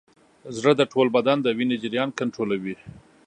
زړه د ټول بدن د وینې جریان کنټرولوي.